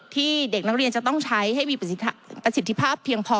ที่เด็กนักเรียนจะต้องใช้ให้มีประสิทธิภาพเพียงพอ